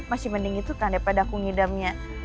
masih mending itu kan daripada aku ngidamnya